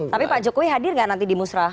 tapi pak jokowi hadir gak nanti di musrah